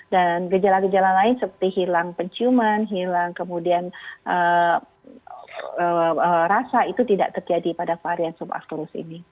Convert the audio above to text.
dan gejala gejala lain seperti hilang penciuman hilang kemudian rasa itu tidak terjadi pada varian sub abturus ini